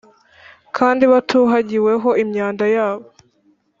Kandi batuhagiweho imyanda yabo